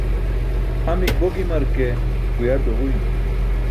Amik bo gima ke, guyar duġuymi.